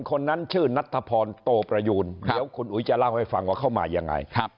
คนนั้นชื่อนัทธพรโตประยูนเดี๋ยวคุณอุ๋ยจะเล่าให้ฟังว่าเข้ามายังไง